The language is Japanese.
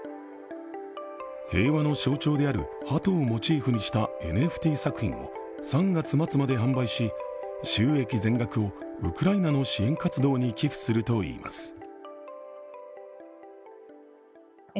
平和の象徴であるはとをモチーフにしたＮＦＴ作品を３月末まで販売し収益全額をウクライナの支援活動に寄付するといいます。